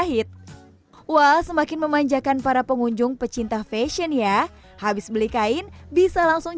pahit wah semakin memanjakan para pengunjung pecinta fashion ya habis beli kain bisa langsung